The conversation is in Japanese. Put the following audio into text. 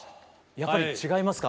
やっぱり違いますか？